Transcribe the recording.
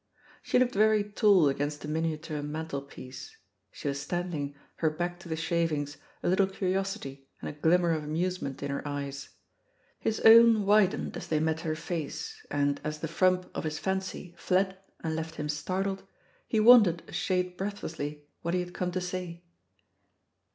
She looked very tall against the miniature mantelpiece. She was standing, her back to the shavings, a little curiosity and a glimmer of amusement in her eyes. His own widened as they met her face, and as the frump of his fancy fled and left him startled, he wondered a shade breath lessly what he had come to say.